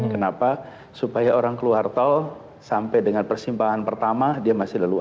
kenapa supaya orang keluar tol sampai dengan persimpangan pertama dia masih leluasa